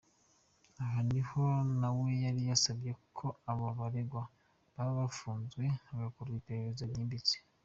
Aha niho nawe yari yasabye ko aba baregwa baba bafunzwe hagakorwa iperereza ryimbitse.